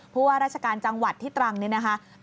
ว่าราชการจังหวัดที่ตรังนี่นะคะ